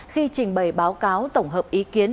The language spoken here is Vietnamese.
khi trình bày báo cáo tổng hợp ý kiến